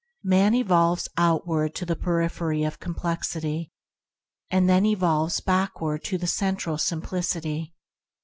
Man evolves outward to the periphery of complexity, and then involves backward to the Central Simplicity.